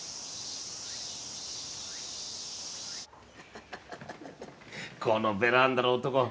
ハハハこのベランダの男